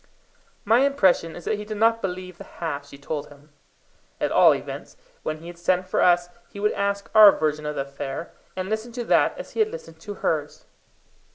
My impression is that he did not believe the half she told him. At all events, when he had sent for us, he would ask our version of the affair, and listen to that as he had listened to hers.